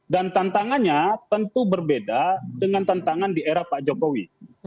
dan tantangannya tentu berbeda dengan tantangan di era pak jokowi